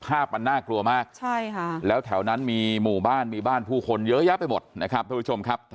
ภาพมันน่ากลัวมากแล้วแถวนั้นมีหมู่บ้านมีบ้านผู้คนเยอะแยะไปหมด